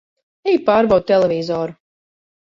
Ej pārbaudi televizoru!